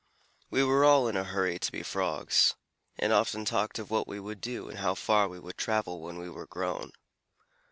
We were all in a hurry to be Frogs, and often talked of what we would do and how far we would travel when we were grown.